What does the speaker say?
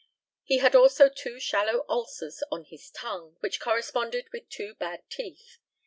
He had also two shallow ulcers on his tongue, which corresponded with two bad teeth.